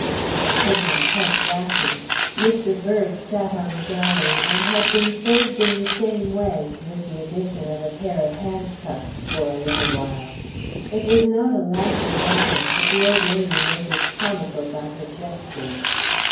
] I could not help laughing. Mr. Bird sat on the gallery, and had been served in the same way, with the addition of a pair of handcuffs for a little while. It was not a laughing matter; but the old lady made it comical by her gestures.